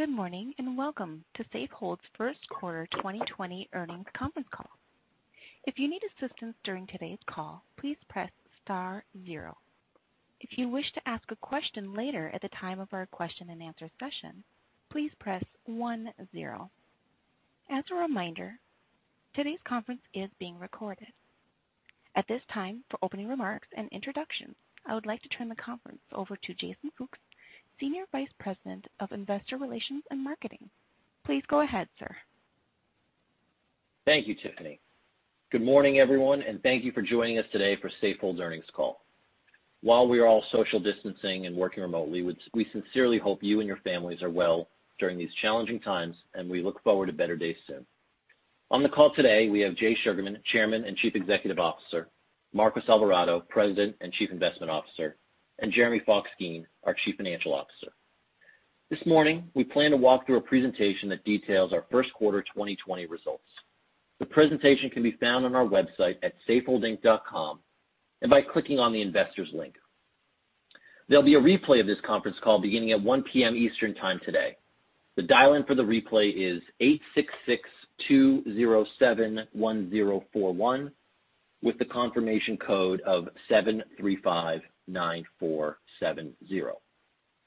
Good morning, and welcome to Safehold's First Quarter 2020 Earnings Conference Call. If you need assistance during today's call, please press star zero. If you wish to ask a question later at the time of our question and answer session, please press one zero. As a reminder, today's conference is being recorded. At this time, for opening remarks and introductions, I would like to turn the conference over to Jason Fooks, Senior Vice President of Investor Relations and Marketing. Please go ahead, sir. Thank you, Tiffany. Good morning, everyone, and thank you for joining us today for Safehold's Earnings Call. While we are all social distancing and working remotely, we sincerely hope you and your families are well during these challenging times, and we look forward to better days soon. On the call today, we have Jay Sugarman, Chairman and Chief Executive Officer, Marcos Alvarado, President and Chief Investment Officer, and Jeremy Fox-Geen, our Chief Financial Officer. This morning, we plan to walk through a presentation that details our First Quarter 2020 Results. The presentation can be found on our website at safeholdinc.com and by clicking on the investors link. There'll be a replay of this conference call beginning at 1:00 P.M. Eastern Time today. The dial-in for the replay is eight six six two zero seven one zero four one, with the confirmation code of seven three five nine four seven zero.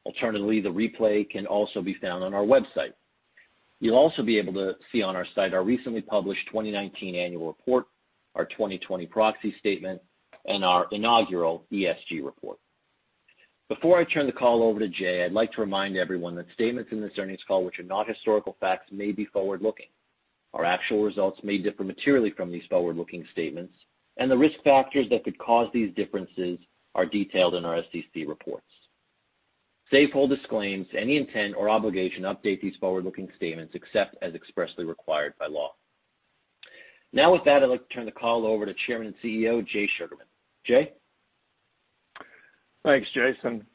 Alternatively, the replay can also be found on our website. You'll also be able to see on our site our recently published 2019 annual report, our 2020 proxy statement, and our inaugural ESG report. Before I turn the call over to Jay, I'd like to remind everyone that statements in this earnings call which are not historical facts may be forward-looking. Our actual results may differ materially from these forward-looking statements, and the risk factors that could cause these differences are detailed in our SEC reports. Safehold disclaims any intent or obligation to update these forward-looking statements except as expressly required by law. With that, I'd like to turn the call over to Chairman and CEO, Jay Sugarman. Jay? Thanks, Jason.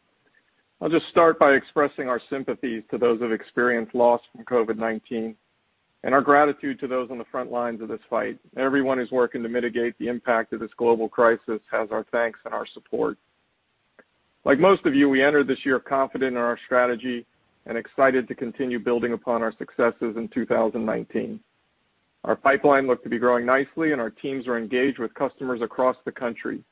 I'll just start by expressing our sympathies to those who have experienced loss from COVID-19 and our gratitude to those on the front lines of this fight. Everyone who's working to mitigate the impact of this global crisis has our thanks and our support. Like most of you, we entered this year confident in our strategy and excited to continue building upon our successes in 2019. Our pipeline looked to be growing nicely. Our teams were engaged with customers across the country.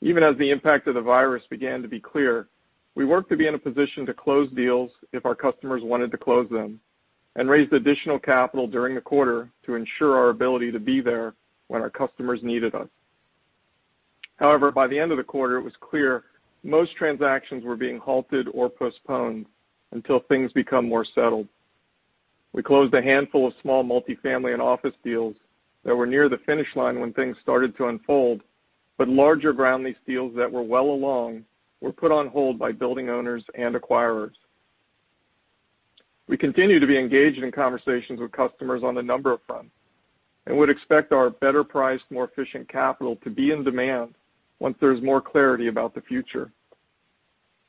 Even as the impact of the virus began to be clear, we worked to be in a position to close deals if our customers wanted to close them and raised additional capital during the quarter to ensure our ability to be there when our customers needed us. By the end of the quarter, it was clear most transactions were being halted or postponed until things become more settled. We closed a handful of small multi-family and office deals that were near the finish line when things started to unfold, but larger ground lease deals that were well along were put on hold by building owners and acquirers. We continue to be engaged in conversations with customers on a number of fronts and would expect our better-priced, more efficient capital to be in demand once there's more clarity about the future.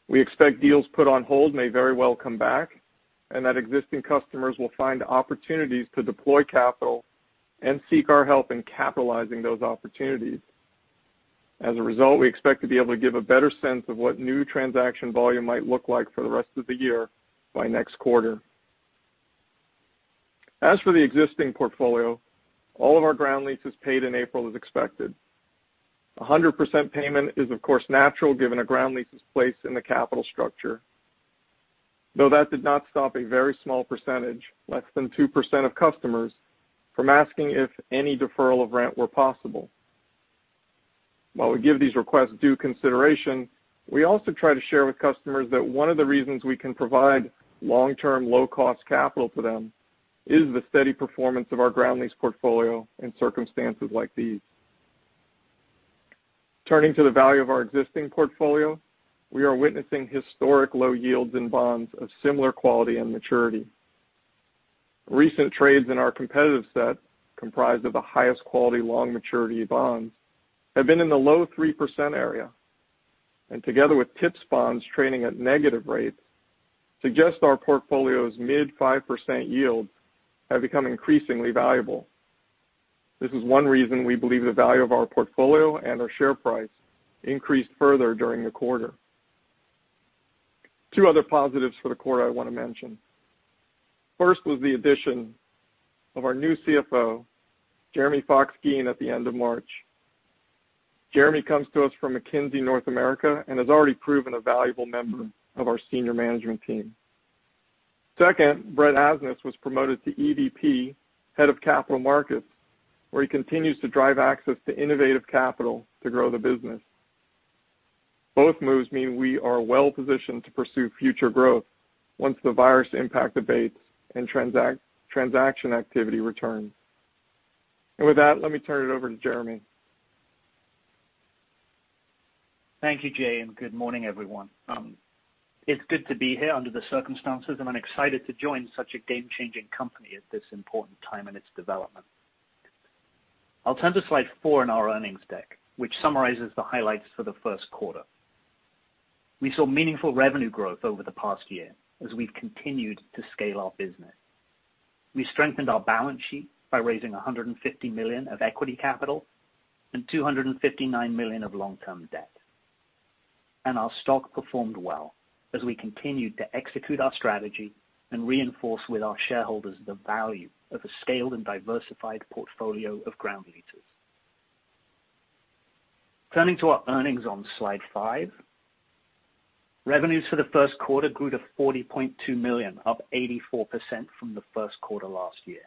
We expect deals put on hold may very well come back and that existing customers will find opportunities to deploy capital and seek our help in capitalizing those opportunities. As a result, we expect to be able to give a better sense of what new transaction volume might look like for the rest of the year by next quarter. As for the existing portfolio, all of our ground leases paid in April as expected. 100% payment is of course natural, given a ground lease's place in the capital structure. Though that did not stop a very small percentage, less than 2% of customers, from asking if any deferral of rent were possible. While we give these requests due consideration, we also try to share with customers that one of the reasons we can provide long-term, low-cost capital to them is the steady performance of our ground lease portfolio in circumstances like these. Turning to the value of our existing portfolio, we are witnessing historic low yields in bonds of similar quality and maturity. Recent trades in our competitive set, comprised of the highest quality long maturity bonds, have been in the low 3% area, and together with TIPS bonds trading at negative rates, suggest our portfolio's mid-5% yields have become increasingly valuable. This is one reason we believe the value of our portfolio and our share price increased further during the quarter. Two other positives for the quarter I want to mention. First was the addition of our new CFO, Jeremy Fox-Geen, at the end of March. Jeremy comes to us from McKinsey & Company and has already proven a valuable member of our senior management team. Second, Brett Asnas was promoted to EVP, Head of Capital Markets, where he continues to drive access to innovative capital to grow the business. Both moves mean we are well positioned to pursue future growth once the virus impact abates and transaction activity returns. With that, let me turn it over to Jeremy. Thank you, Jay. Good morning, everyone. It's good to be here under the circumstances, and I'm excited to join such a game-changing company at this important time in its development. I'll turn to slide four in our earnings deck, which summarizes the highlights for the first quarter. We saw meaningful revenue growth over the past year as we've continued to scale our business. We strengthened our balance sheet by raising $150 million of equity capital and $259 million of long-term debt. Our stock performed well as we continued to execute our strategy and reinforce with our shareholders the value of a scaled and diversified portfolio of ground leases. Turning to our earnings on slide five. Revenues for the first quarter grew to $40.2 million, up 84% from the first quarter last year.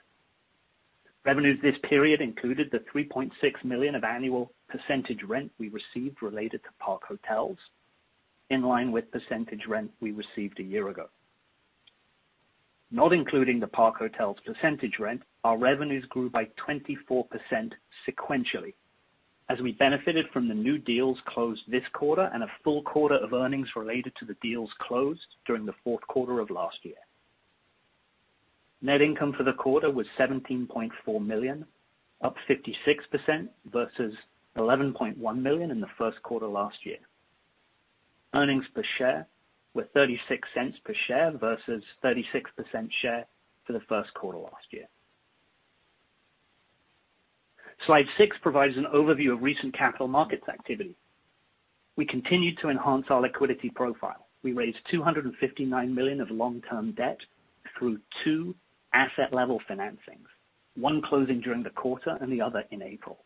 Revenues this period included the $3.6 million of annual percentage rent we received related to Park Hotels, in line with percentage rent we received a year ago. Not including the Park Hotel's percentage rent, our revenues grew by 24% sequentially as we benefited from the new deals closed this quarter and a full quarter of earnings related to the deals closed during the fourth quarter of last year. Net income for the quarter was $17.4 million, up 56%, versus $11.1 million in the first quarter last year. Earnings per share were $0.36 per share versus $0.36 per share for the first quarter last year. Slide six provides an overview of recent capital markets activity. We continued to enhance our liquidity profile. We raised $259 million of long-term debt through two asset-level financings, one closing during the quarter and the other in April.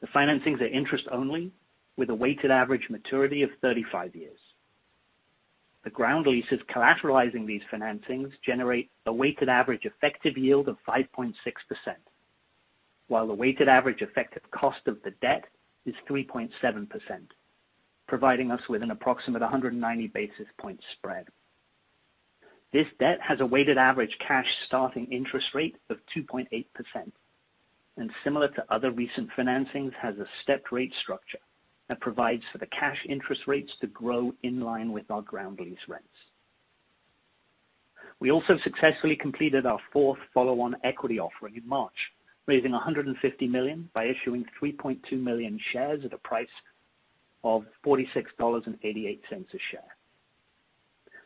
The financings are interest only, with a weighted average maturity of 35 years. The ground leases collateralizing these financings generate a weighted average effective yield of 5.6%, while the weighted average effective cost of the debt is 3.7%, providing us with an approximate 190 basis point spread. This debt has a weighted average cash starting interest rate of 2.8%, and similar to other recent financings, has a stepped rate structure that provides for the cash interest rates to grow in line with our ground lease rents. We also successfully completed our fourth follow-on equity offering in March, raising $150 million by issuing 3.2 million shares at a price of $46.88 a share.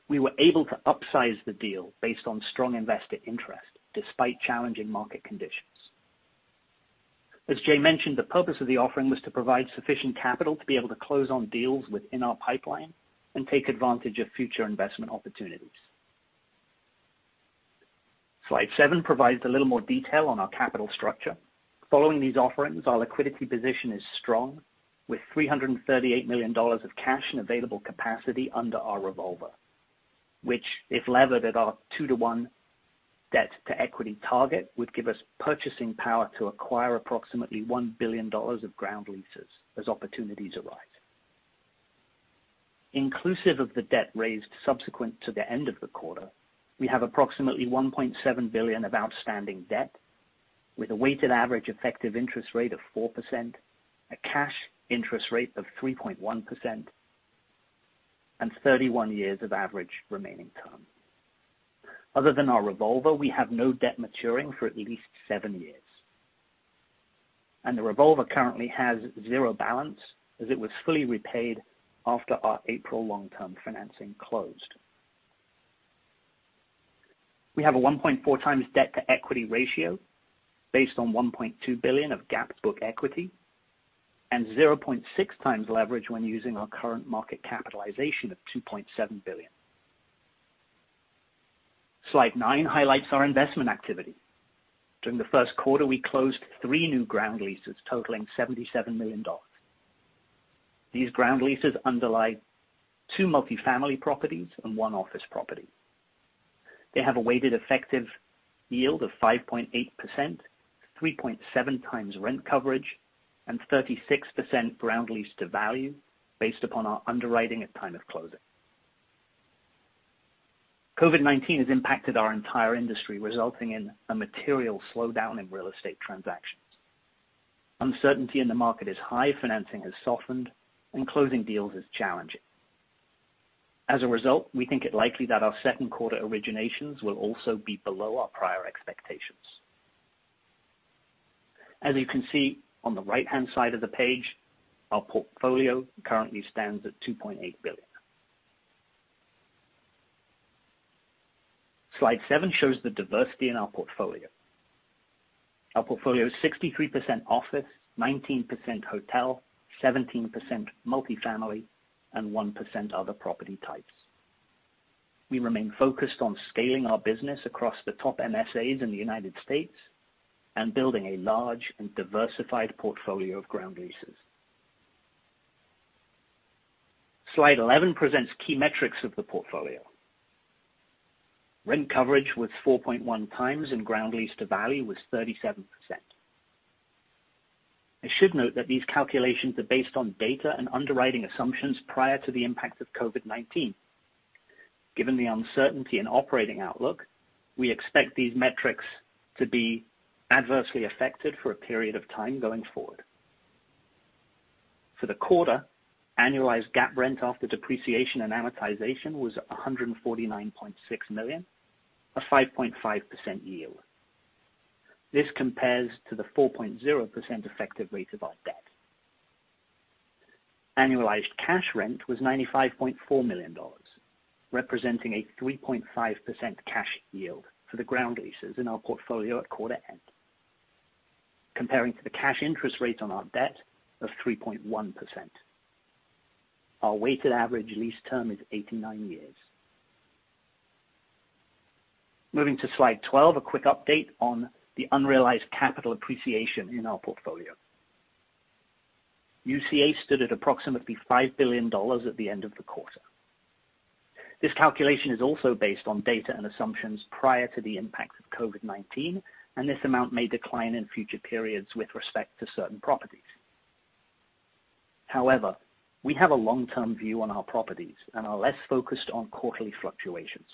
We were able to upsize the deal based on strong investor interest, despite challenging market conditions. As Jay mentioned, the purpose of the offering was to provide sufficient capital to be able to close on deals within our pipeline and take advantage of future investment opportunities. Slide seven provides a little more detail on our capital structure. Following these offerings, our liquidity position is strong with $338 million of cash and available capacity under our revolver, which, if levered at our 2:1 debt to equity target, would give us purchasing power to acquire approximately $1 billion of ground leases as opportunities arise. Inclusive of the debt raised subsequent to the end of the quarter, we have approximately $1.7 billion of outstanding debt with a weighted average effective interest rate of 4%, a cash interest rate of 3.1%, and 31 years of average remaining-term. Other than our revolver, we have no debt maturing for at least seven years. The revolver currently has zero balance as it was fully repaid after our April long-term financing closed. We have a 1.4x debt to equity ratio based on $1.2 billion of GAAP book equity and 0.6x leverage when using our current market capitalization of $2.7 billion. Slide nine highlights our investment activity. During the first quarter, we closed three new ground leases totaling $77 million. These ground leases underlie two multi-family properties and one office property. They have a weighted effective yield of 5.8%, 3.7x rent coverage, and 36% ground lease to value based upon our underwriting at time of closing. COVID-19 has impacted our entire industry, resulting in a material slowdown in real estate transactions. Uncertainty in the market is high, financing has softened, and closing deals is challenging. We think it likely that our second quarter originations will also be below our prior expectations. As you can see on the right-hand side of the page, our portfolio currently stands at $2.8 billion. Slide seven shows the diversity in our portfolio. Our portfolio is 63% office, 19% hotel, 17% multi-family, and 1% other property types. We remain focused on scaling our business across the top MSAs in the United States and building a large and diversified portfolio of ground leases. Slide 11 presents key metrics of the portfolio. Rent coverage was 4.1x, and ground lease to value was 37%. I should note that these calculations are based on data and underwriting assumptions prior to the impact of COVID-19. Given the uncertainty in operating outlook, we expect these metrics to be adversely affected for a period of time going forward. For the quarter, annualized GAAP rent after depreciation and amortization was $149.6 million, a 5.5% yield. This compares to the 4.0% effective rate of our debt. Annualized cash rent was $95.4 million, representing a 3.5% cash yield for the ground leases in our portfolio at quarter-end. Comparing to the cash interest rate on our debt of 3.1%. Our weighted average lease term is 89 years. Moving to slide 12, a quick update on the unrealized capital appreciation in our portfolio. UCA stood at approximately $5 billion at the end of the quarter. This calculation is also based on data and assumptions prior to the impact of COVID-19, and this amount may decline in future periods with respect to certain properties. However, we have a long-term view on our properties and are less focused on quarterly fluctuations.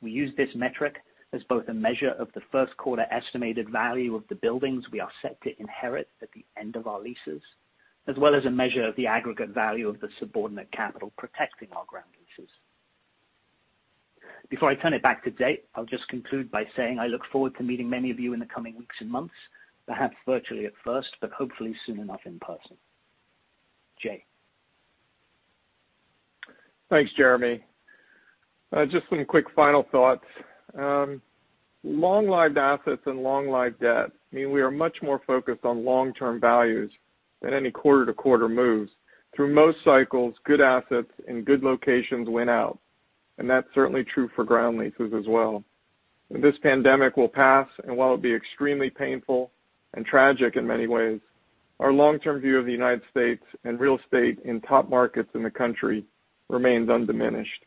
We use this metric as both a measure of the first quarter estimated value of the buildings we are set to inherit at the end of our leases, as well as a measure of the aggregate value of the subordinate capital protecting our ground leases. Before I turn it back to Jay, I will just conclude by saying I look forward to meeting many of you in the coming weeks and months, perhaps virtually at first, but hopefully soon enough in person. Jay. Thanks, Jeremy. Just some quick final thoughts. Long-lived assets and long-lived debt mean we are much more focused on long-term values than any quarter-to-quarter moves. Through most cycles, good assets in good locations win out, and that's certainly true for ground leases as well. This pandemic will pass, and while it'll be extremely painful and tragic in many ways, our long-term view of the United States and real estate in top markets in the country remains undiminished.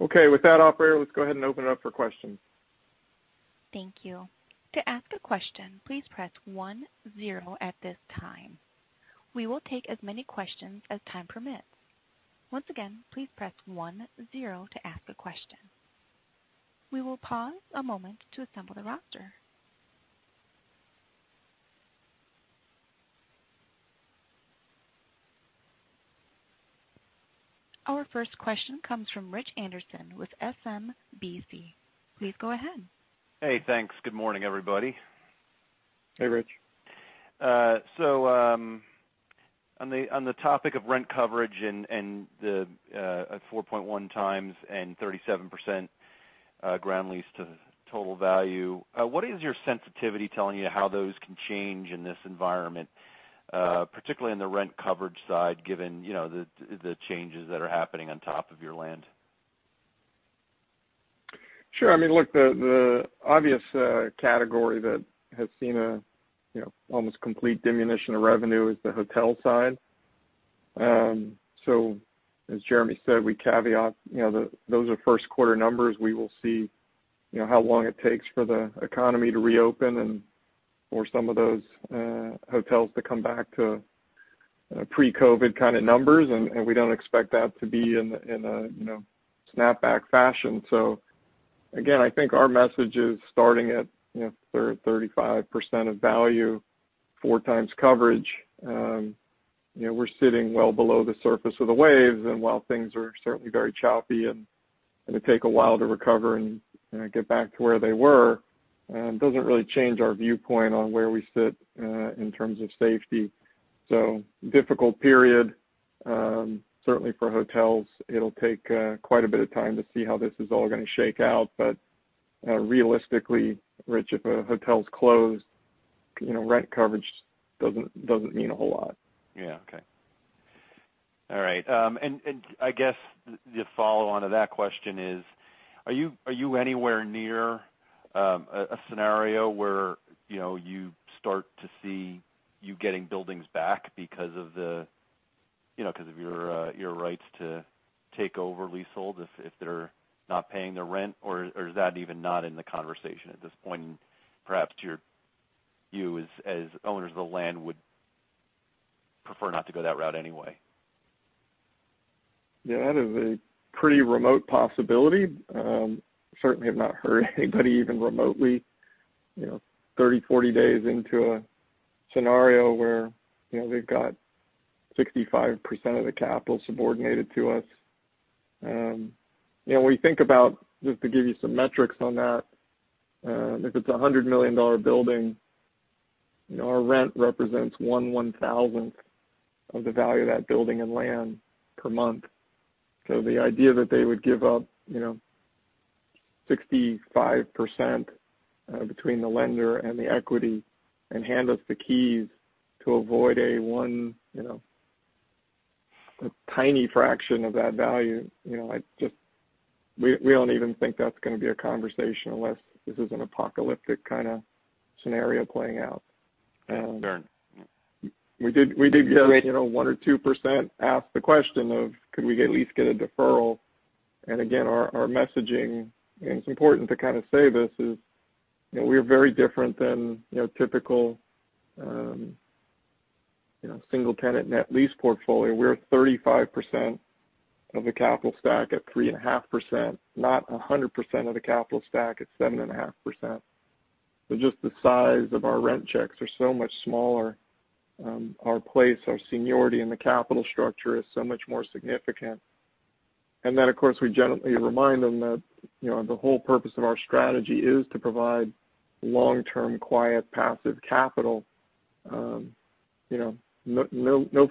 Okay. With that, operator, let's go ahead and open it up for questions. Thank you. To ask a question, please press one zero at this time. We will take as many questions as time permits. Once again, please press one zero to ask a question. We will pause a moment to assemble the roster. Our first question comes from Rich Anderson with SMBC. Please go ahead. Hey, thanks. Good morning, everybody. Hey, Rich. On the topic of rent coverage and the 4.1x and 37% ground lease to total value, what is your sensitivity telling you how those can change in this environment, particularly on the rent coverage side, given the changes that are happening on top of your land? Look, the obvious category that has seen almost complete diminution of revenue is the hotel side. As Jeremy said, we caveat those are first quarter numbers. We will see how long it takes for the economy to reopen and for some of those hotels to come back to pre-COVID kind of numbers. We don't expect that to be in a snap back fashion. Again, I think our message is starting at 35% of value, 4x coverage. We're sitting well below the surface of the waves, while things are certainly very choppy and it'll take a while to recover and get back to where they were, it doesn't really change our viewpoint on where we sit in terms of safety. Difficult period. Certainly for hotels, it'll take quite a bit of time to see how this is all going to shake out. Realistically, Rich, if a hotel's closed, rent coverage doesn't mean a whole lot. Yeah. Okay. All right. I guess the follow-on to that question is, are you anywhere near a scenario where you start to see you getting buildings back because of your rights to take over leasehold if they're not paying their rent, or is that even not in the conversation at this point? Perhaps you as owners of the land would prefer not to go that route anyway. That is a pretty remote possibility. Certainly have not heard anybody even remotely, 30, 40 days into a scenario where they've got 65% of the capital subordinated to us. When you think about, just to give you some metrics on that, if it's a $100 million building, our rent represents 1/1,000 of the value of that building and land per month. The idea that they would give up 65% between the lender and the equity and hand us the keys to avoid a tiny fraction of that value, we don't even think that's going to be a conversation unless this is an apocalyptic kind of scenario playing out. We did get 1% or 2 % ask the question of, could we at least get a deferral? Again our messaging, and it's important to kind of say this is, we are very different than typical single-tenant net lease portfolio. We're 35% of the capital stack at 3.5%, not 100% of the capital stack at 7.5%. Just the size of our rent checks are so much smaller. Our place, our seniority in the capital structure is so much more significant. Of course, we generally remind them that the whole purpose of our strategy is to provide long-term, quiet, passive capital. No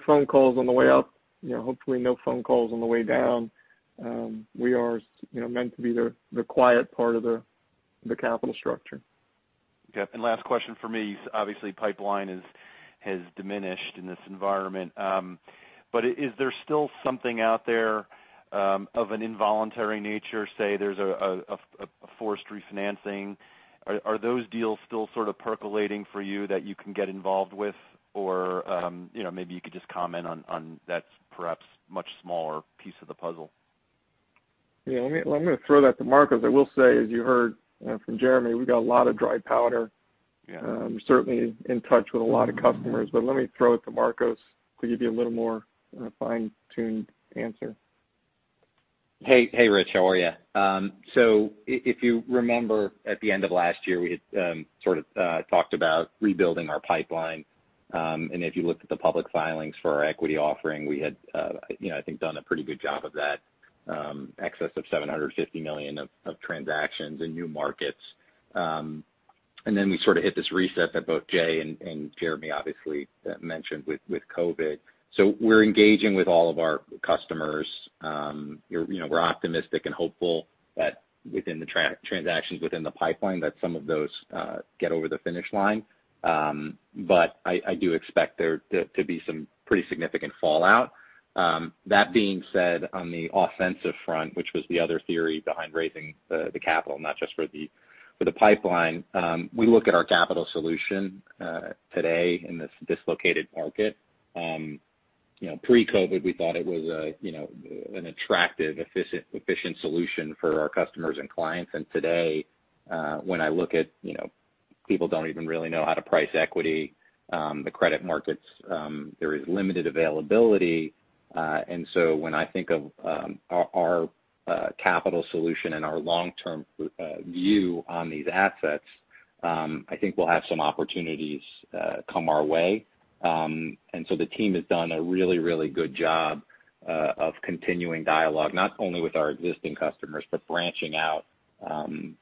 phone calls on the way up, hopefully no phone calls on the way down. We are meant to be the quiet part of the capital structure. Yep. Last question from me. Obviously, pipeline has diminished in this environment. Is there still something out there of an involuntary nature, say there's a forced refinancing, are those deals still sort of percolating for you that you can get involved with? Maybe you could just comment on that perhaps much smaller piece of the puzzle. Yeah. I'm going to throw that to Marcos. I will say, as you heard from Jeremy, we got a lot of dry powder. Yeah. Certainly in touch with a lot of customers, but let me throw it to Marcos to give you a little more fine-tuned answer. Hey, Rich. How are you? If you remember at the end of last year, we had sort of talked about rebuilding our pipeline. If you looked at the public filings for our equity offering, we had I think done a pretty good job of that, excess of $750 million of transactions in new markets. We sort of hit this reset that both Jay and Jeremy obviously mentioned with COVID. We're engaging with all of our customers. We're optimistic and hopeful that within the transactions within the pipeline, that some of those get over the finish line. I do expect there to be some pretty significant fallout. That being said, on the offensive front, which was the other theory behind raising the capital, not just for the pipeline. We look at our capital solution today in this dislocated market. Pre-COVID, we thought it was an attractive, efficient solution for our customers and clients. Today, when I look at people don't even really know how to price equity, the credit markets, there is limited availability. When I think of our capital solution and our long-term view on these assets, I think we'll have some opportunities come our way. The team has done a really good job of continuing dialogue, not only with our existing customers, but branching out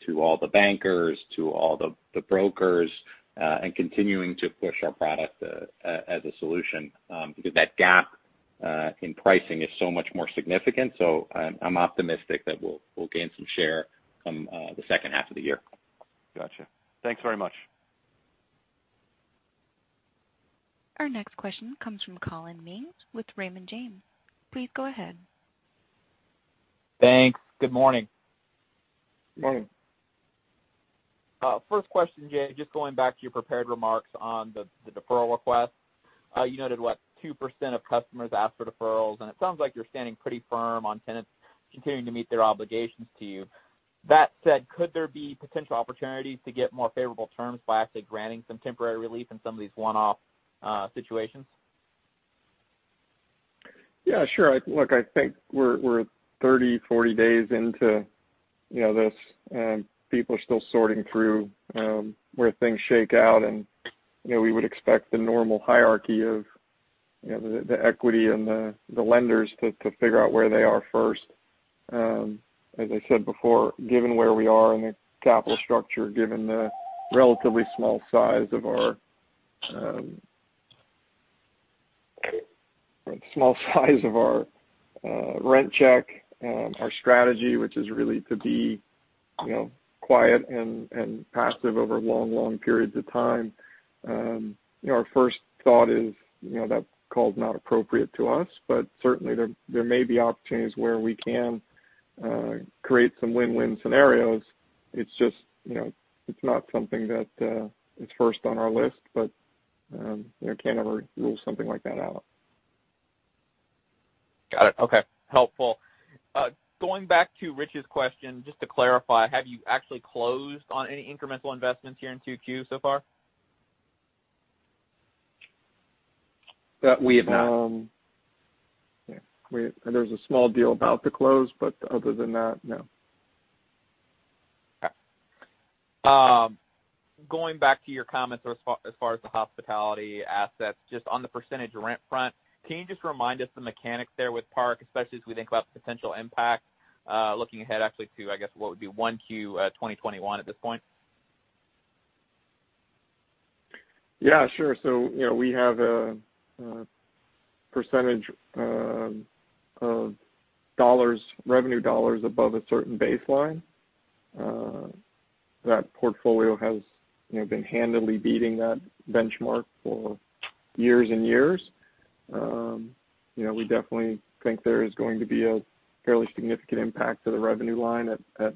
to all the bankers, to all the brokers, and continuing to push our product as a solution. Because that gap in pricing is so much more significant. I'm optimistic that we'll gain some share come the second half of the year. Got you. Thanks very much. Our next question comes from Collin Mings with Raymond James. Please go ahead. Thanks. Good morning. Morning. First question, Jay, just going back to your prepared remarks on the deferral request. You noted what, 2% of customers asked for deferrals, and it sounds like you're standing pretty firm on tenants continuing to meet their obligations to you. That said, could there be potential opportunities to get more favorable terms by actually granting some temporary relief in some of these one-off situations? Yeah, sure. Look, I think we're 30, 40 days into this. People are still sorting through where things shake out, and we would expect the normal hierarchy of the equity and the lenders to figure out where they are first. As I said before, given where we are in the capital structure, given the relatively small size of our rent check, our strategy, which is really to be quiet and passive over long, long periods of time. Our first thought is, that call's not appropriate to us, but certainly there may be opportunities where we can create some win-win scenarios. It's just not something that is first on our list, but you can't ever rule something like that out. Got it. Okay. Helpful. Going back to Rich's question, just to clarify, have you actually closed on any incremental investments here in 2Q so far? We have not. There's a small deal about to close, but other than that, no. Okay. Going back to your comments as far as the hospitality assets, just on the percentage rent front, can you just remind us the mechanics there with Park, especially as we think about the potential impact, looking ahead actually to, I guess what would be 1Q 2021 at this point? Yeah, sure. We have a percentage of revenue dollars above a certain baseline. That portfolio has been handily beating that benchmark for years-and-years. We definitely think there is going to be a fairly significant impact to the revenue line at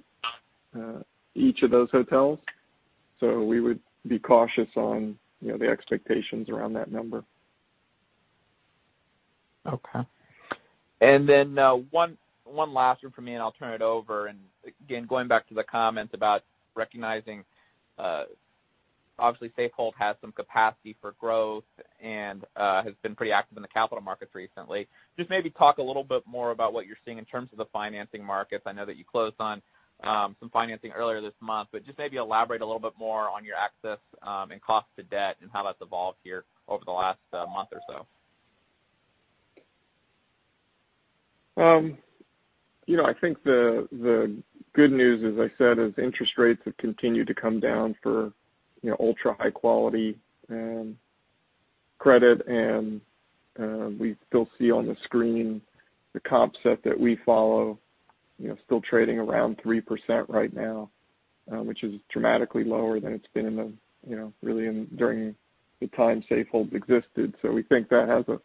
each of those hotels. We would be cautious on the expectations around that number. Okay. Then, one last one from me, and I'll turn it over. Again, going back to the comments about recognizing, obviously Safehold has some capacity for growth and has been pretty active in the capital markets recently. Just maybe talk a little bit more about what you're seeing in terms of the financing markets. I know that you closed on some financing earlier this month, just maybe elaborate a little bit more on your access, and cost to debt and how that's evolved here over the last month or so. I think the good news, as I said, is interest rates have continued to come down for ultra high quality credit. We still see on the screen the comp set that we follow, still trading around 3% right now, which is dramatically lower than it's been really during the time Safehold's existed. We think that has a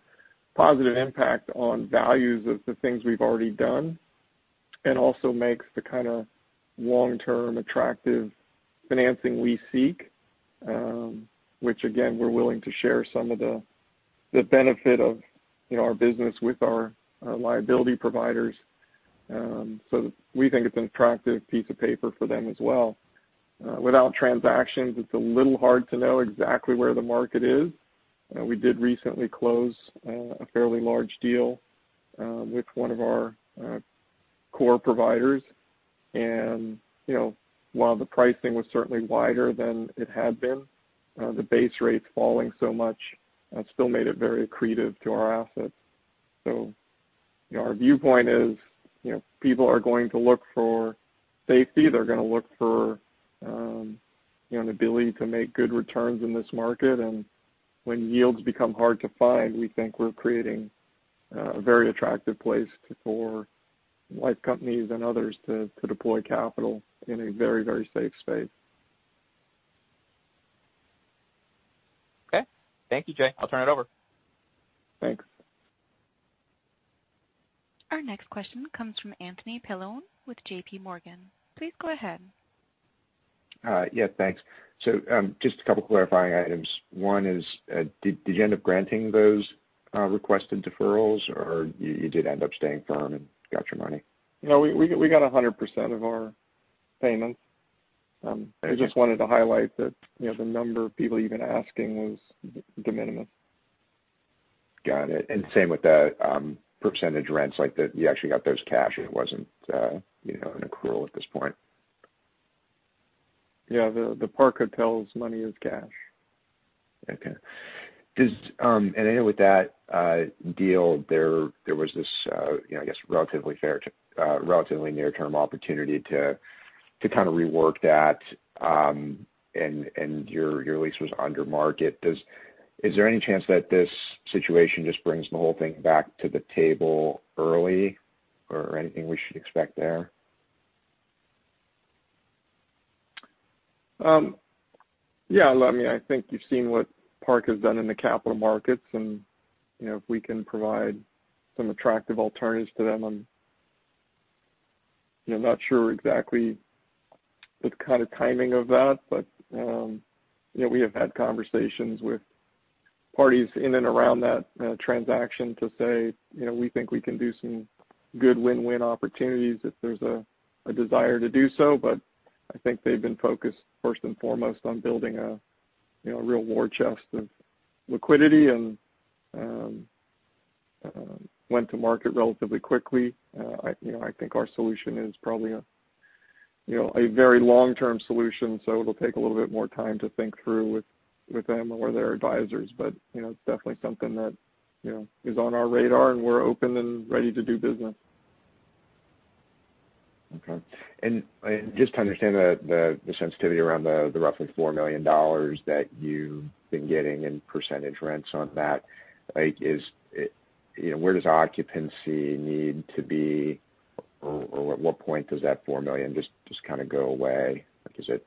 positive impact on values of the things we've already done, and also makes the kind of long-term attractive financing we seek, which again, we're willing to share some of the benefit of our business with our liability providers. We think it's an attractive piece of paper for them as well. Without transactions, it's a little hard to know exactly where the market is. We did recently close a fairly large deal with one of our core providers, and while the pricing was certainly wider than it had been, the base rates falling so much still made it very accretive to our assets. Our viewpoint is, people are going to look for safety. They're going to look for an ability to make good returns in this market. When yields become hard to find, we think we're creating a very attractive place for life companies and others to deploy capital in a very, very safe space. Okay. Thank you, Jay. I'll turn it over. Thanks. Our next question comes from Anthony Paolone with JPMorgan. Please go ahead. Yeah. Thanks. Just a couple clarifying items. One is, did you end up granting those requested deferrals, or you did end up staying firm and got your money? No, we got 100% of our payments. Okay. I just wanted to highlight that the number of people even asking was de-minimis. Got it. Same with the percentage rents, like you actually got those cash and it wasn't an accrual at this point? Yeah, the Park Hotels money is cash. Okay. I know with that deal, there was this, I guess, relatively near-term opportunity to kind of rework that, and your lease was under market. Is there any chance that this situation just brings the whole thing back to the table early, or anything we should expect there? Yeah, I think you've seen what Park has done in the capital markets, and if we can provide some attractive alternatives to them, I'm not sure exactly the kind of timing of that. We have had conversations with parties in and around that transaction to say we think we can do some good win-win opportunities if there's a desire to do so. I think they've been focused first and foremost on building a real war chest of liquidity, and went to market relatively quickly. I think our solution is probably a very long-term solution, so it'll take a little bit more time to think through with them or their advisors. It's definitely something that is on our radar, and we're open and ready to do business. Okay. Just to understand the sensitivity around the roughly $4 million that you've been getting in percentage rents on that, where does occupancy need to be, or at what point does that $4 million just kind of go away? Is it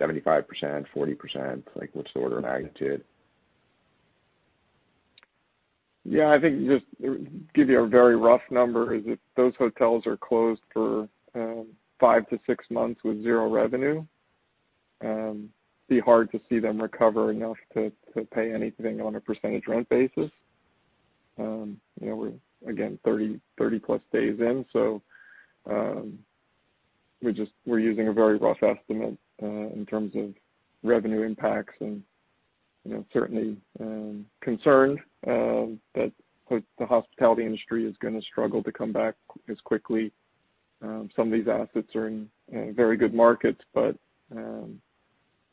75%, 40%? What's the order of magnitude? Yeah, I think, just to give you a very rough number, is that those hotels are closed for five to six months with zero revenue. It would be hard to see them recover enough to pay anything on a percentage rent basis. We're, again, 30+ days in, we're using a very rough estimate in terms of revenue impacts and certainly concerned that the hospitality industry is going to struggle to come back as quickly. Some of these assets are in very good markets,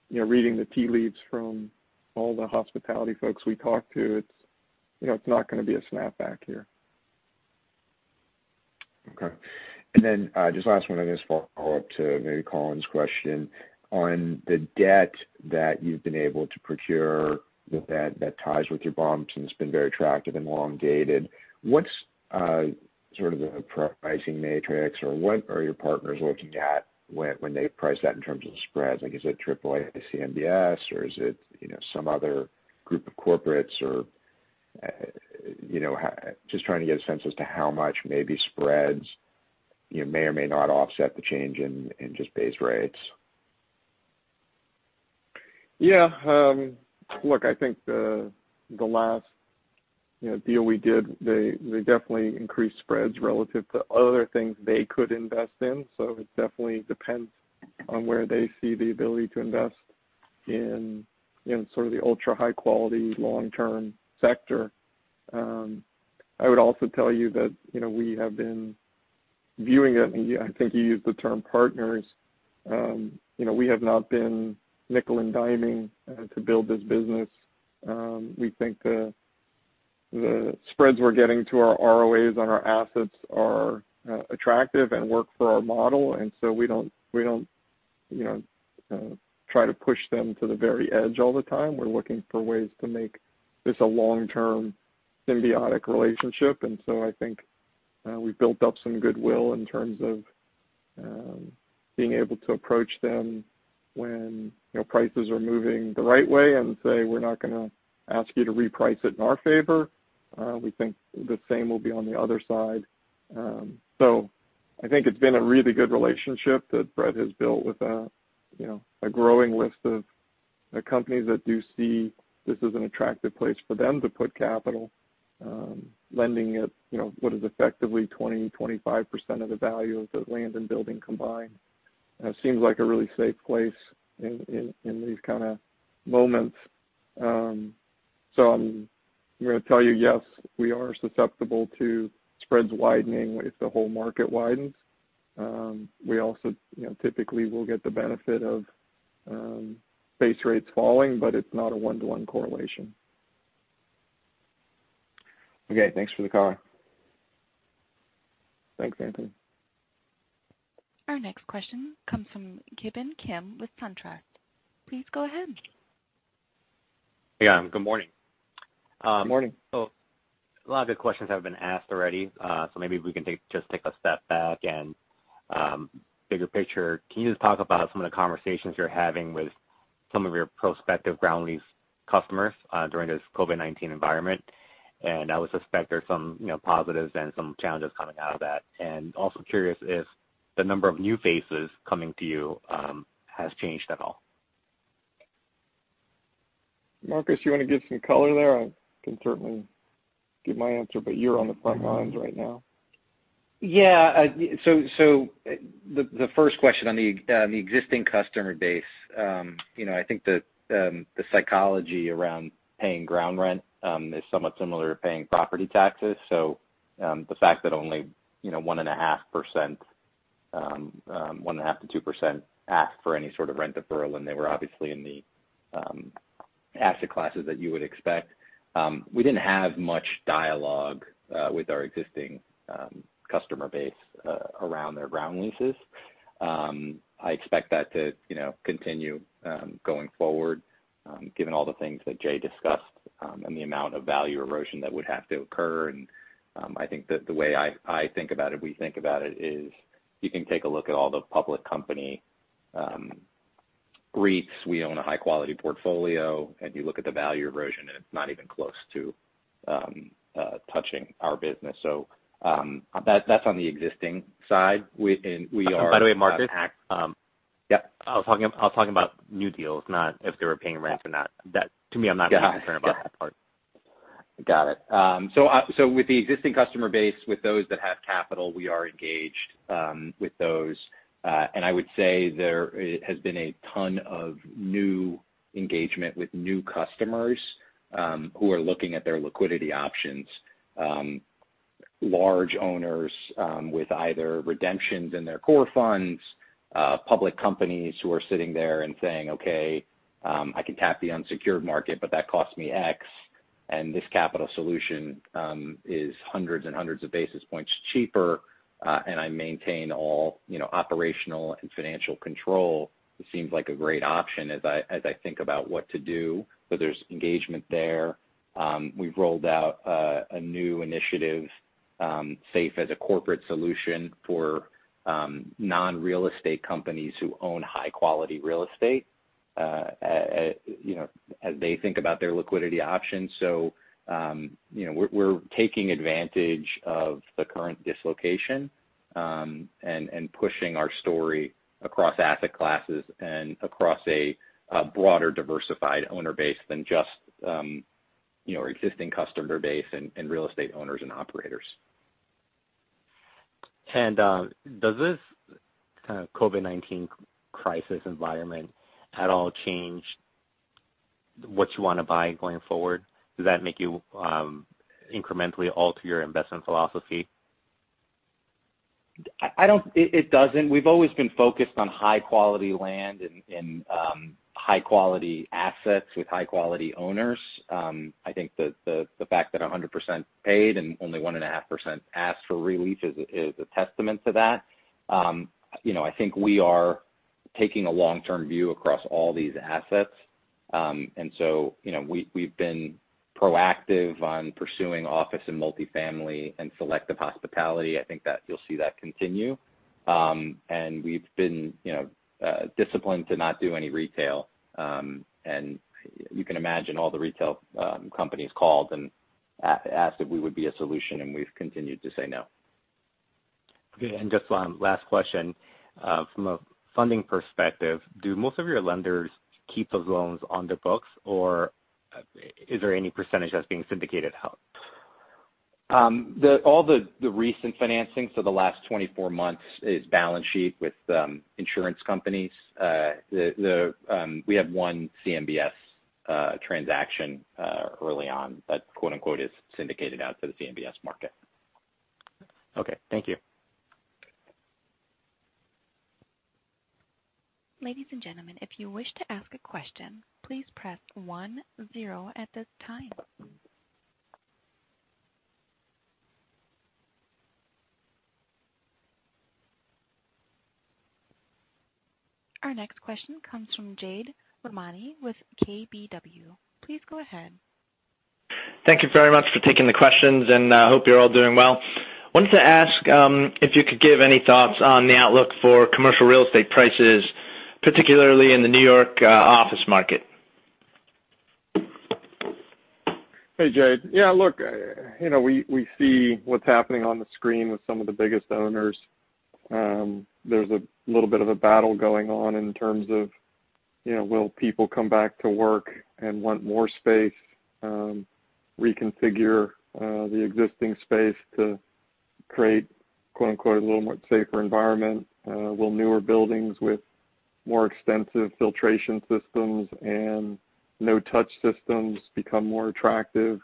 reading the tea leaves from all the hospitality folks we talk to, it's not going to be a snap back here. Okay. Then, just last one. I guess follow-up to maybe Collin's question. On the debt that you've been able to procure that ties with your bonds and has been very attractive and long-dated, what's sort of the pricing matrix, or what are your partners looking at when they price that in terms of spreads? Is it AAA CMBS or is it some other group of corporates? Just trying to get a sense as to how much maybe spreads may or may not offset the change in just base rates. Look, I think the last deal we did, they definitely increased spreads relative to other things they could invest in. It definitely depends on where they see the ability to invest in sort of the ultra-high quality, long-term sector. I would also tell you that we have been viewing it, and I think you used the term partners. We have not been nickel-and-diming to build this business. We think the spreads we're getting to our ROAs on our assets are attractive and work for our model. We don't try to push them to the very edge all the time. We're looking for ways to make this a long-term symbiotic relationship. I think we've built up some goodwill in terms of being able to approach them when prices are moving the right way and say, "We're not going to ask you to reprice it in our favor." We think the same will be on the other side. I think it's been a really good relationship that Fred has built with a growing list of companies that do see this as an attractive place for them to put capital. Lending at what is effectively 20%, 25% of the value of the land and building combined seems like a really safe place in these kind of moments. I'm going to tell you, yes, we are susceptible to spreads widening if the whole market widens. We also typically will get the benefit of base rates falling, but it's not a one-to-one correlation. Okay. Thanks for the call. Thanks, Anthony. Our next question comes from Ki Bin Kim with SunTrust. Please go ahead. Yeah. Good morning. Good morning. A lot of good questions have been asked already. Maybe we can just take a step back and bigger picture. Can you just talk about some of the conversations you're having with some of your prospective ground lease customers during this COVID-19 environment? I would suspect there's some positives and some challenges coming out of that. Also curious if the number of new faces coming to you has changed at all. Marcos, you want to give some color there? I can certainly give my answer, but you're on the front-lines right now. Yeah. The first question on the existing customer base. I think that the psychology around paying ground rent is somewhat similar to paying property taxes. The fact that only 1.5%-2% asked for any sort of rent deferral, and they were obviously in the asset classes that you would expect. We didn't have much dialogue with our existing customer base around their ground leases. I expect that to continue going forward, given all the things that Jay discussed and the amount of value erosion that would have to occur. I think that the way I think about it, we think about it is you can take a look at all the public company REITs. We own a high-quality portfolio. If you look at the value erosion, it's not even close to touching our business. That's on the existing side. By the way, Marcos. Yep. I was talking about new deals, not if they were paying rent or not. To me, I'm not even concerned about that part. Got it. With the existing customer base, with those that have capital, we are engaged with those. I would say there has been a ton of new engagement with new customers who are looking at their liquidity options. Large owners with either redemptions in their core funds, public companies who are sitting there and saying, "Okay, I can tap the unsecured market, but that costs me X, and this capital solution is hundreds and hundreds of basis points cheaper, and I maintain all operational and financial control. It seems like a great option as I think about what to do." There's engagement there. We've rolled out a new initiative, SAFE, as a corporate solution for non-real estate companies who own high-quality real estate as they think about their liquidity options. We're taking advantage of the current dislocation and pushing our story across asset classes and across a broader, diversified owner base than just our existing customer base and real estate owners and operators. Does this kind of COVID-19 crisis environment at all change what you want to buy going forward? Does that make you incrementally alter your investment philosophy? It doesn't. We've always been focused on high-quality land and high-quality assets with high-quality owners. I think the fact that 100% paid and only 1.5% asked for relief is a testament to that. I think we are taking a long-term view across all these assets. So, we've been proactive on pursuing office and multi-family and selective hospitality. I think that you'll see that continue. We've been disciplined to not do any retail. You can imagine all the retail companies called and asked if we would be a solution, and we've continued to say no. Okay, just one last question. From a funding perspective, do most of your lenders keep the loans on the books, or is there any percentage that's being syndicated out? All the recent financings for the last 24 months is balance sheet with insurance companies. We have one CMBS-transaction early on that quote-unquote is syndicated out to the CMBS market. Okay. Thank you. Ladies and gentlemen, if you wish to ask a question, please press one zero at this time. Our next question comes from Jade Rahmani with KBW. Please go ahead. Thank you very much for taking the questions, and I hope you're all doing well. Wanted to ask if you could give any thoughts on the outlook for commercial real estate prices, particularly in the New York office market. Hey, Jade. Yeah, look, we see what's happening on the screen with some of the biggest owners. There's a little bit of a battle going on in terms of will people come back to work and want more space, reconfigure the existing space to create, quote-unquote, a little more safer environment, will newer buildings with more extensive filtration systems and no-touch systems become more attractive,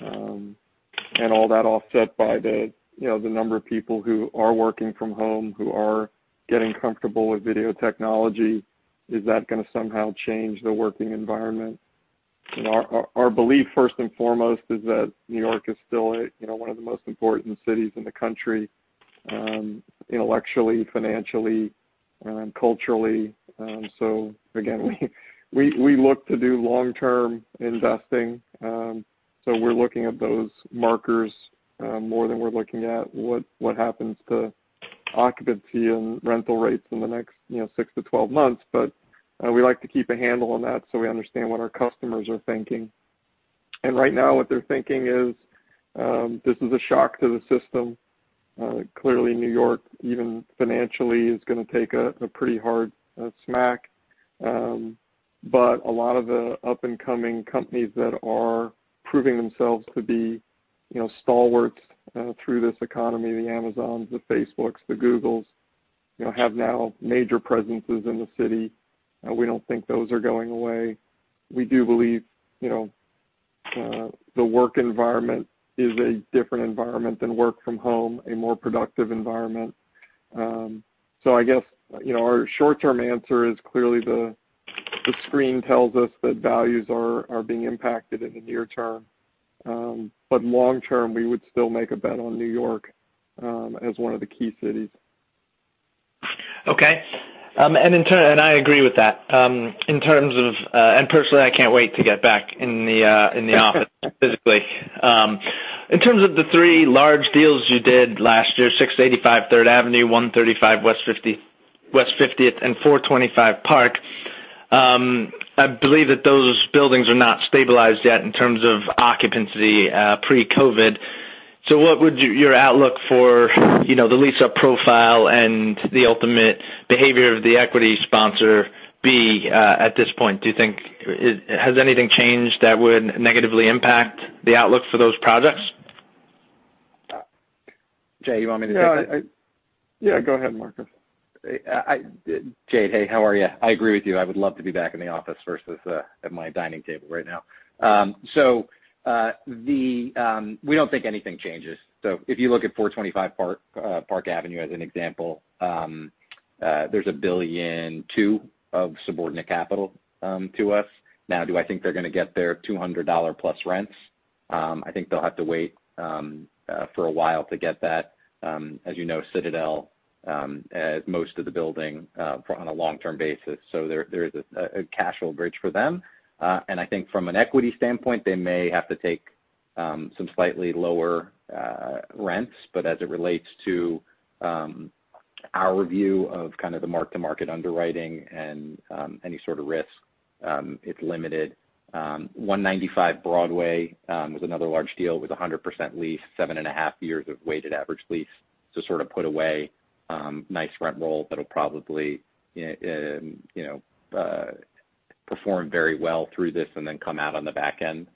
and all that offset by the number of people who are working from home, who are getting comfortable with video technology. Is that going to somehow change the working environment? Our belief, first and foremost, is that New York is still one of the most important cities in the country, intellectually, financially, and culturally. Again, we look to do long-term investing. We're looking at those markers more than we're looking at what happens to occupancy and rental rates in the next 6 to 12 months. We like to keep a handle on that so we understand what our customers are thinking. Right now, what they're thinking is, this is a shock to the system. Clearly, New York, even financially, is going to take a pretty hard smack. A lot of the up-and-coming companies that are proving themselves to be stalwarts through this economy, the Amazons, the Facebooks, the Googles, have now major presences in the city. We don't think those are going away. We do believe the work environment is a different environment than work from home, a more productive environment. I guess, our short-term answer is clearly the screen tells us that values are being impacted in the near-term. Long term, we would still make a bet on New York as one of the key cities. Okay. I agree with that. Personally, I can't wait to get back in the office physically. In terms of the three large deals you did last year, 685 Third Avenue, 135 West 50th, and 425 Park, I believe that those buildings are not stabilized yet in terms of occupancy pre-COVID. What would your outlook for the lease-up profile and the ultimate behavior of the equity sponsor be at this point? Has anything changed that would negatively impact the outlook for those projects? Jay, you want me to take that? Yeah, go ahead, Marcos. Jade, hey, how are you? I agree with you. I would love to be back in the office versus at my dining table right now. We don't think anything changes. If you look at 425 Park Avenue as an example, there's $1.2 billion of subordinate capital to us. Now, do I think they're going to get their $200+ rents? I think they'll have to wait for a while to get that. As you know, Citadel has most of the building on a long-term basis, so there is a casual bridge for them. I think from an equity standpoint, they may have to take some slightly lower rents. As it relates to our view of kind of the mark-to-market underwriting and any sort of risk, it's limited. 195 Broadway was another large deal. It was 100% leased, seven and a half years of weighted average lease to sort of put away nice rent roll that will probably perform very well through this and then come out on the back end,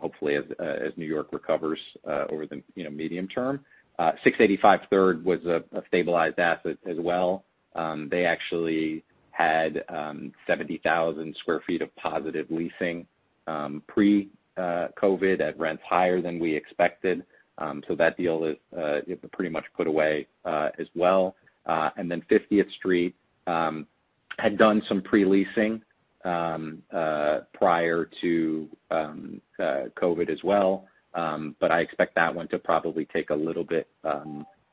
hopefully as New York recovers over the medium-term. 685 Third was a stabilized asset as well. They actually had 70,000 square feet of positive leasing pre-COVID at rents higher than we expected. That deal is pretty much put away as well. 50th Street had done some pre-leasing prior to COVID as well. I expect that one to probably take a little bit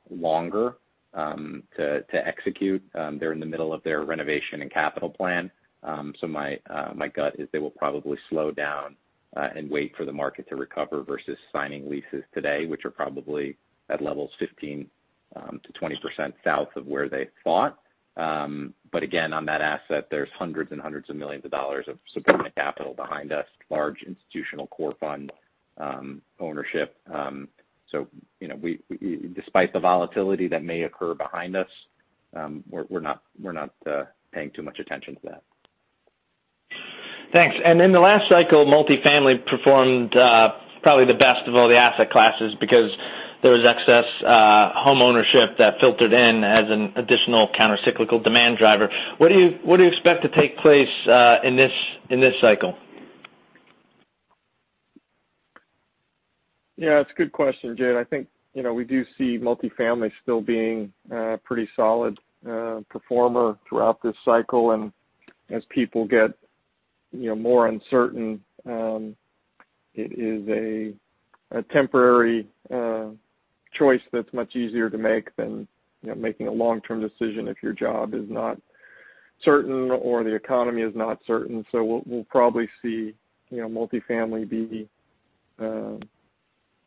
longer to execute. They're in the middle of their renovation and capital plan. My gut is they will probably slow down and wait for the market to recover versus signing leases today, which are probably at levels 15%-20% south of where they thought. Again, on that asset, there's hundreds and hundreds of millions of dollars of subordinate capital behind us, large institutional core fund ownership. Despite the volatility that may occur behind us, we're not paying too much attention to that. Thanks. In the last cycle, multifamily performed probably the best of all the asset classes because there was excess homeownership that filtered in as an additional counter-cyclical demand driver. What do you expect to take place in this cycle? Yeah, it's a good question, Jade. I think, we do see multifamily still being a pretty solid performer throughout this cycle. As people get more uncertain, it is a temporary choice that's much easier to make than making a long-term decision if your job is not certain or the economy is not certain. We'll probably see multifamily be the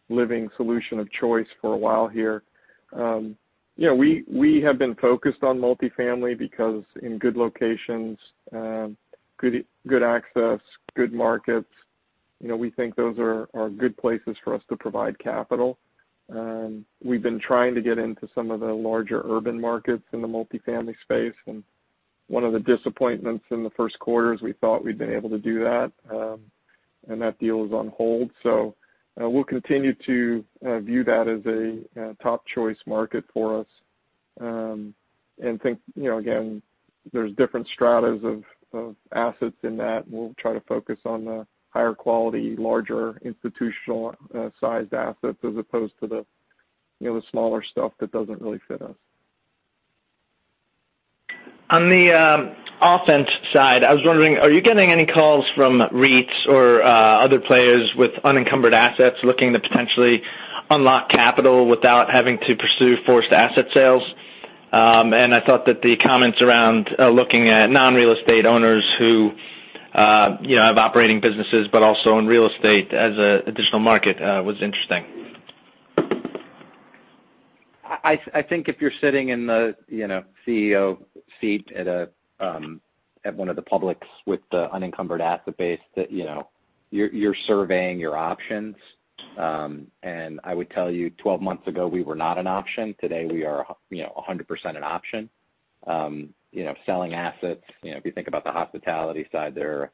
living solution of choice for a while here. We have been focused on multifamily because in good locations, good access, good markets, we think those are good places for us to provide capital. We've been trying to get into some of the larger urban markets in the multifamily space, and one of the disappointments in the first quarter is we thought we'd been able to do that, and that deal is on hold. We'll continue to view that as a top-choice market for us, and think, again, there's different strata of assets in that, and we'll try to focus on the higher quality, larger institutional-sized assets as opposed to the smaller stuff that doesn't really fit us. On the offense side, I was wondering, are you getting any calls from REITs or other players with unencumbered assets looking to potentially unlock capital without having to pursue forced asset sales? I thought that the comments around looking at non-real estate owners who have operating businesses but also in real estate as an additional market, was interesting. I think if you're sitting in the CEO seat at one of the publics with the unencumbered asset base that you're surveying your options. I would tell you, 12 months ago, we were not an option. Today, we are 100% an option. Selling assets, if you think about the hospitality side there,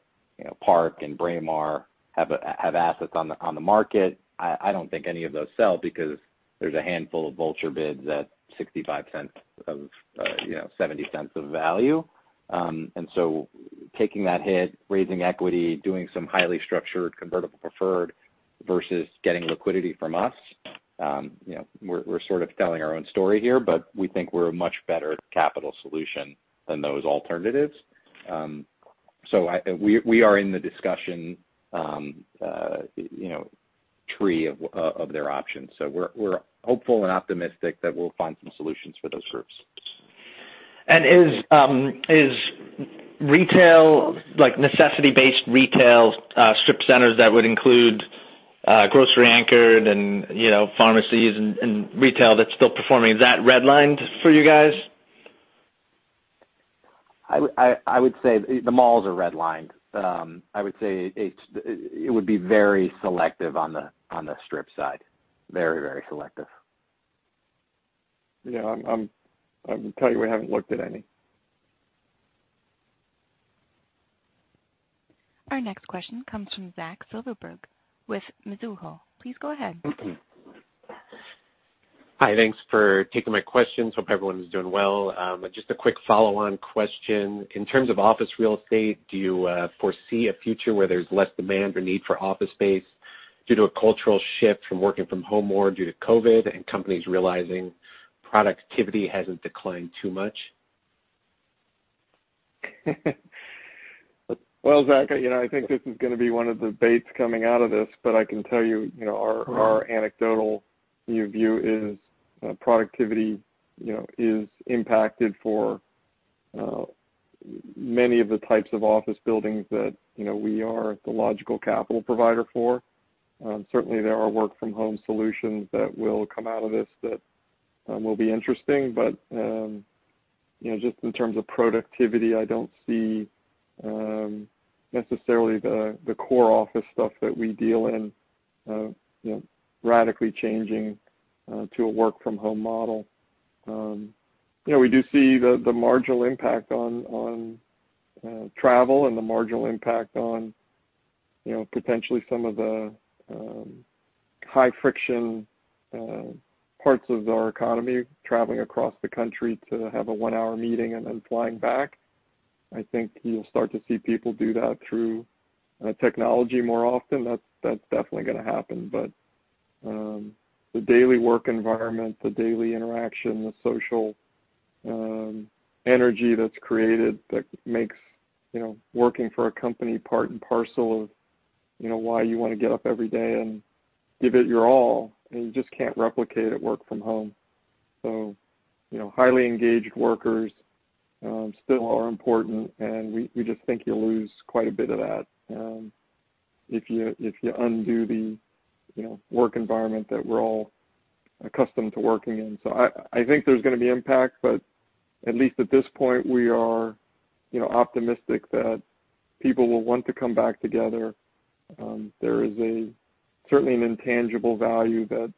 Park and Braemar have assets on the market. I don't think any of those sell because there's a handful of vulture bids at $0.65-$0.70 of value. Taking that hit, raising equity, doing some highly structured convertible preferred versus getting liquidity from us, we're sort of telling our own story here, we think we're a much better capital solution than those alternatives. We are in the discussion tree of their options. We're hopeful and optimistic that we'll find some solutions for those groups. Is retail, like necessity-based retail strip centers that would include grocery-anchored and pharmacies and retail that's still performing, is that redlined for you guys? I would say the malls are redlined. I would say it would be very selective on the strip side. Very, very selective. Yeah. I can tell you we haven't looked at any. Our next question comes from Zach Silverberg with Mizuho. Please go ahead. Hi. Thanks for taking my questions. Hope everyone is doing well. Just a quick follow-on question. In terms of office real estate, do you foresee a future where there's less demand or need for office space due to a cultural shift from working from home more due to COVID and companies realizing productivity hasn't declined too much? Well, Zach, I think this is going to be one of debates coming out of this. I can tell you, our anecdotal view is productivity is impacted for many of the types of office buildings that we are the logical capital provider for. Certainly, there are work-from-home solutions that will come out of this that will be interesting. Just in terms of productivity, I don't see necessarily the core office stuff that we deal in radically changing to a work-from-home model. We do see the marginal impact on travel and the marginal impact on potentially some of the high-friction parts of our economy, traveling across the country to have a one-hour meeting and then flying back. I think you'll start to see people do that through technology more often. That's definitely going to happen. The daily work environment, the daily interaction, the social energy that's created that makes working for a company part and parcel of why you want to get up every day and give it your all, you just can't replicate it work from home. Highly engaged workers still are important, and we just think you'll lose quite a bit of that if you undo the work environment that we're all accustomed to working in. I think there's going to be impact, but at least at this point, we are optimistic that people will want to come back together. There is certainly an intangible value that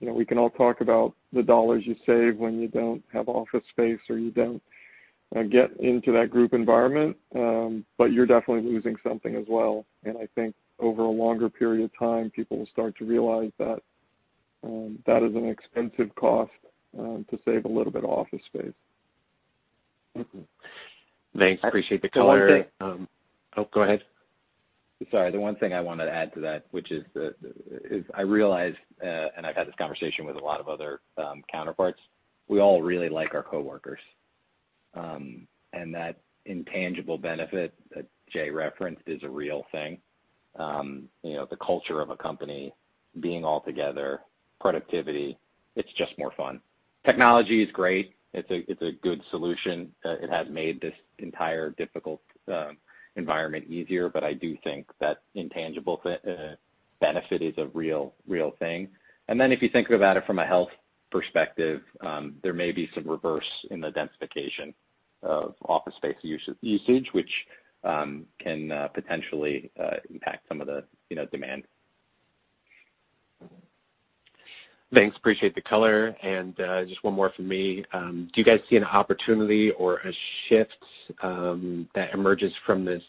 we can all talk about the dollars you save when you don't have office space, or you don't get into that group environment. You're definitely losing something as well. I think over a longer period of time, people will start to realize that that is an expensive cost to save a little bit of office space. Thanks. Appreciate the color. The one thing. Oh, go ahead. Sorry. The one thing I wanted to add to that, which is, I realize, and I've had this conversation with a lot of other counterparts, we all really like our coworkers. That intangible benefit that Jay referenced is a real thing. The culture of a company, being all together, productivity, it's just more fun. Technology is great. It's a good solution. It has made this entire difficult environment easier. I do think that intangible benefit is a real thing. If you think about it from a health perspective, there may be some reverse in the densification of office space usage, which can potentially impact some of the demand. Thanks. Appreciate the color. Just one more from me. Do you guys see an opportunity or a shift that emerges from this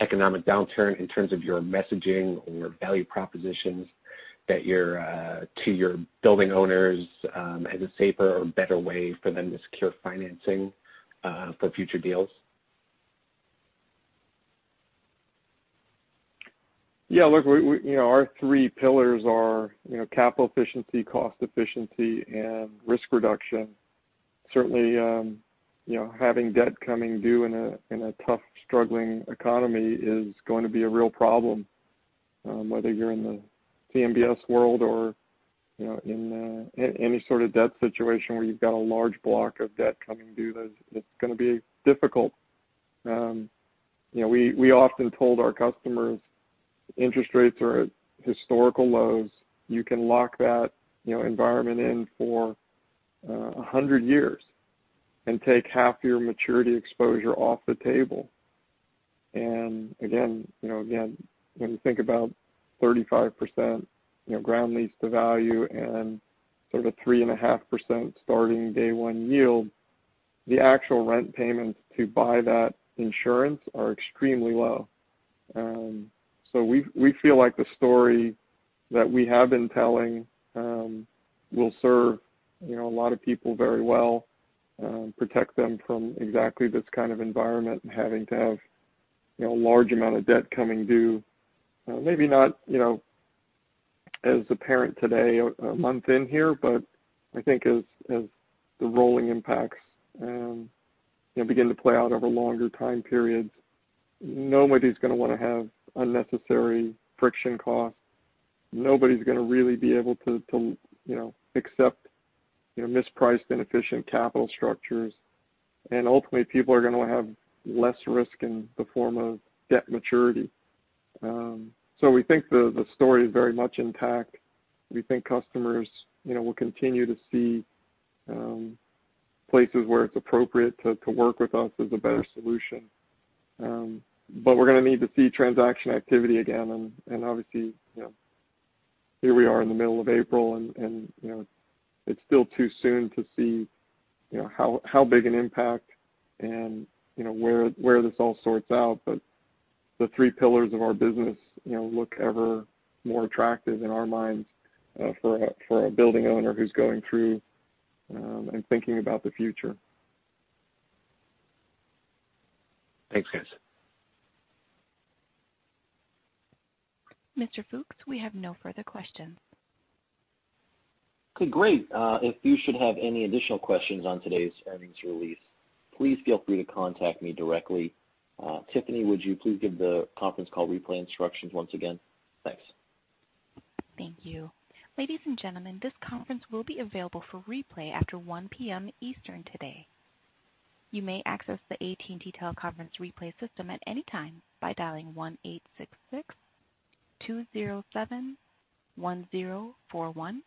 economic downturn in terms of your messaging or value propositions to your building owners, as a safer or better way for them to secure financing for future deals? Yeah, look, our three pillars are capital efficiency, cost efficiency, and risk reduction. Certainly, having debt coming due in a tough, struggling economy is going to be a real problem. Whether you're in the CMBS world or in any sort of debt situation where you've got a large block of debt coming due, it's going to be difficult. We often told our customers interest rates are at historical lows. You can lock that environment in for 100 years and take half your maturity exposure off the table. Again, when you think about 35% ground lease to value and sort of 3.5% starting day one yield, the actual rent payments to buy that insurance are extremely low. We feel like the story that we have been telling will serve a lot of people very well, protect them from exactly this kind of environment, and having to have a large amount of debt coming due. Maybe not as apparent today, a month in here, but I think as the rolling impacts begin to play out over longer time periods, nobody's going to want to have unnecessary friction costs. Nobody's going to really be able to accept mispriced, inefficient capital structures. Ultimately, people are going to have less risk in the form of debt maturity. We think the story is very much intact. We think customers will continue to see places where it's appropriate to work with us as a better solution. We're going to need to see transaction activity again, and obviously, here we are in the middle of April, and it's still too soon to see how big an impact and where this all sorts out. The three pillars of our business look ever more attractive in our minds for a building owner who's going through and thinking about the future. Thanks, guys. Mr. Fooks, we have no further questions. Okay, great. If you should have any additional questions on today's earnings release, please feel free to contact me directly. Tiffany, would you please give the conference call replay instructions once again? Thanks. Thank you. Ladies and gentlemen, this conference will be available for replay after 1:00 P.M. Eastern today. You may access the AT&T teleconference replay system at any time by dialing one eight six six two zero seven one zero four one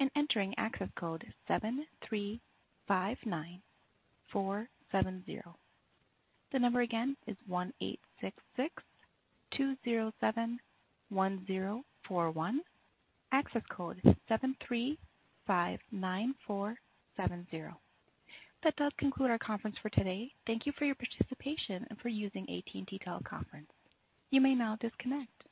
and entering access code seven three five nine four seven zero. The number again is one eight six six two zero seven one zero four one. Access code is seven three five nine four seven zero. That does conclude our conference for today. Thank you for your participation and for using AT&T teleconference. You may now disconnect.